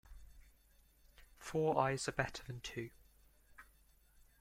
Four eyes are better than two.